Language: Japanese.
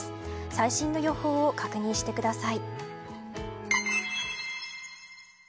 最新の予報を確認してください。